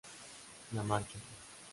La Marche